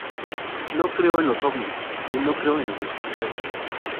No creo en los ovnis y no creo en los extraterrestres".